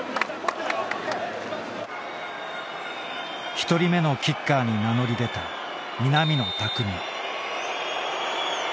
１人目のキッカーに名乗り出た南野拓実。